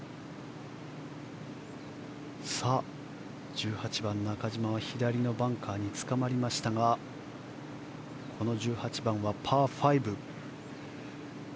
１８番、中島は左のバンカーにつかまりましたがこの１８番はパー５です。